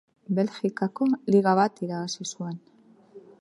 Belgikako Liga bat irabazi zuen.